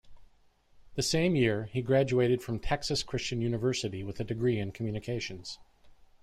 The same year, he graduated from Texas Christian University with a degree in communications.